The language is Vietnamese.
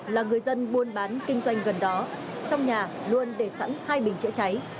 là người dân buôn bán kinh doanh gần đó trong nhà luôn để sẵn hai bình chữa cháy